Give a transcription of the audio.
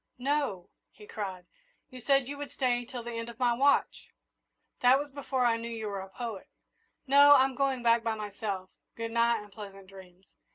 "No!" he cried. "You said you would stay till the end of my watch!" "That was before I knew you were a poet. No, I'm going back by myself good night, and pleasant dreams!"